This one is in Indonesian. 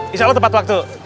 insya allah tepat waktu